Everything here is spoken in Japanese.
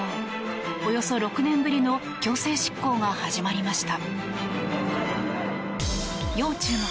およそ６年ぶりの強制執行が始まりました。